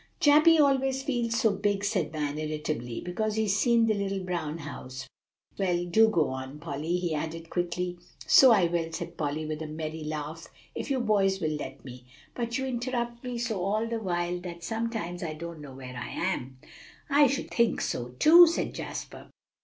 "Jappy always feels so big," said Van irritably, "because he's seen The Little Brown House. Well, do go on, Polly," he added quickly. "So I will," said Polly with a merry laugh, "if you boys will let me; but you interrupt me so all the while that sometimes I don't know where I am." "I should think so too," said Jasper.